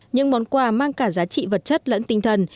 những món quà mang cả giá trị vật chất lẫn tinh thần